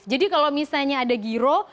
jadi kalau misalnya ada giro